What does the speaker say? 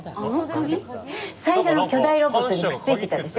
最初の巨大ロボットにくっついてたでしょ？